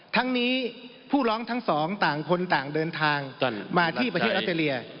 ทั้งนี้ผู้ร้องทั้งสองต่างคนต่างเดินทางมาที่ประเทศออสเตรเลีย